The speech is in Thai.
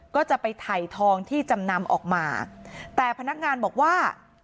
ก็จะไปถ่ายทองที่จำนำออกมาแต่พนักงานบอกว่า